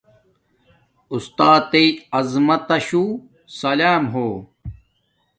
استاتݵ عظمت شو سلام ہو